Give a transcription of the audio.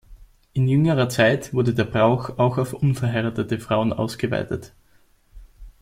In jüngerer Zeit wurde der Brauch auch auf unverheiratete Frauen ausgeweitet.